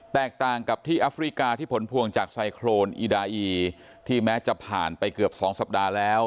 แตกต่างกับที่อัฟริกาที่ผลพวงจากไซโครนอีดาอีที่แม้จะผ่านไปเกือบ๒สัปดาห์แล้ว